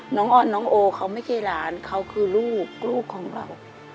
น้องออนน้องโอเขาไม่ใช่หลานเขาคือลูกลูกของเรา